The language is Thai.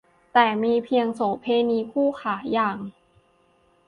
แต่มีเพียงโสเภณีคู่ขาอย่าง